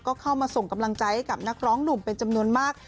ก็เข้ามาส่งกำลังใจให้กับนักร้องหนุ่มเป็นจำนวนมาก